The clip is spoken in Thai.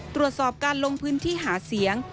ตรวจสอบการลงพื้นที่หาเสียง